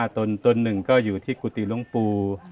๕ต้นต้นหนึ่งก็อยู่ที่กุฏิลงปู่